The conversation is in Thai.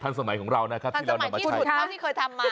ท่านสมัยของเรานะครับที่เรามาใช้ท่านสมัยท่านสมาชิกเข้าที่เคยทำมา